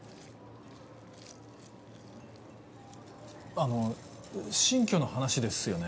あの新居の話ですよね？